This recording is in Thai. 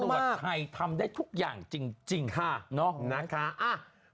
ตำรวจไทยทำได้ทุกอย่างจริงนะคะอ้าวหู